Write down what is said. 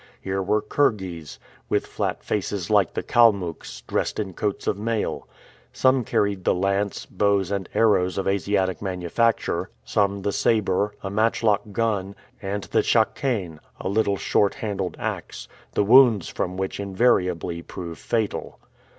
Here were Kirghiz, with flat faces like the Kalmucks, dressed in coats of mail: some carried the lance, bows, and arrows of Asiatic manufacture; some the saber, a matchlock gun, and the "tschakane," a little short handled ax, the wounds from which invariably prove fatal.